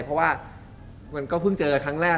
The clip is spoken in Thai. เพราะว่ามันก็เพิ่งเจอครั้งแรก